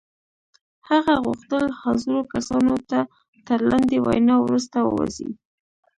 هغه غوښتل حاضرو کسانو ته تر لنډې وينا وروسته ووځي.